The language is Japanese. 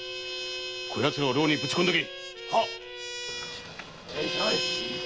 こやつらを牢へぶち込んでおけ。